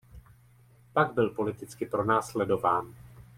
Pak byl politicky pronásledován.